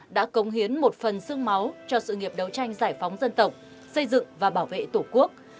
đã cống hiến một phần sương máu cho sự nghiệp đấu tranh giải phóng dân tộc xây dựng và bảo vệ tổ quốc